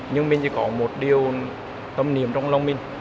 nhưng mình chỉ có một điều tâm niềm trong lòng mình